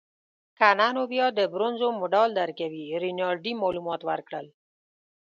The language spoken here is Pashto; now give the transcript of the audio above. که نه نو بیا د برونزو مډال درکوي. رینالډي معلومات ورکړل.